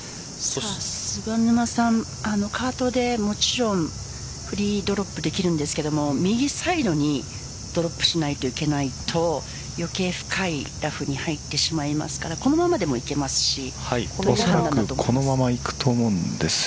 菅沼さん、カートでフリードロップできるんですけど右サイドにドロップしないといけないと余計深いラフに入ってしまいますからおそらくこのままいくと思うんです。